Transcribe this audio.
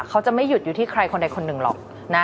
เขาจะไม่หยุดอยู่ที่ใครคนใดคนหนึ่งหรอกนะ